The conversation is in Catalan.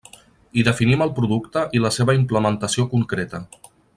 I definim el producte i la seva implementació concreta.